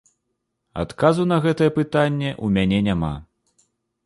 Адказу на гэтае пытанне ў мяне няма.